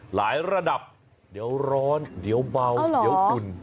ระดับเดี๋ยวร้อนเดี๋ยวเบาเดี๋ยวอุ่น